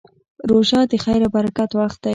روژه د خیر او برکت وخت دی.